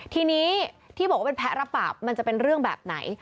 ทีนี้ที่บอกว่าเป็นแพ้รับบาปมันจะเป็นเรื่องแบบไหน